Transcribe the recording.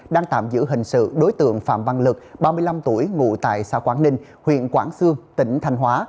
đang tạm giữ hình sự đối tượng phạm văn lực ba mươi năm tuổi ngụ tại xã quảng ninh huyện quảng sương tỉnh thanh hóa